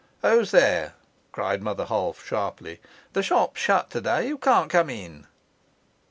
"Who's there?" cried Mother Holf sharply. "The shop's shut to day: you can't come in."